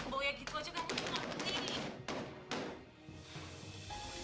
bok ya gitu aja kamu juga gak ngerti